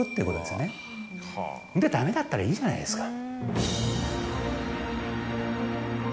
ダメだったらいいじゃないですか。